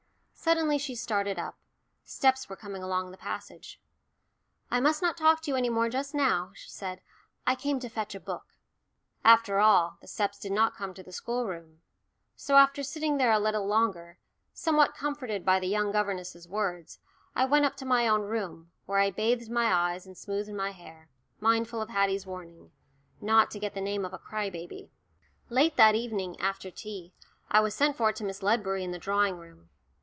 Suddenly she started up steps were coming along the passage. "I must not talk to you any more just now," she said, "I came to fetch a book." After all, the steps did not come to the schoolroom. So after sitting there a little longer, somewhat comforted by the young governess's words, I went up to my own room, where I bathed my eyes and smoothed my hair, mindful of Haddie's warning not to get the name of a cry baby! Late that evening, after tea, I was sent for to Miss Ledbury in the drawing room.